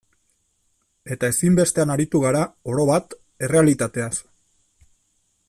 Eta ezinbestean aritu gara, orobat, errealitateaz.